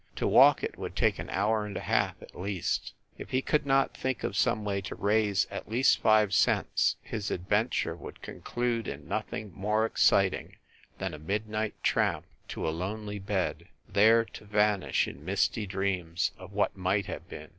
To walk it would take an hour and a half, at least. If he could not think of some way to raise at least five cents his adventure would conclude in nothing more exciting than a midnight tramp to a lonely bed, there to vanish in misty dreams of what might have been.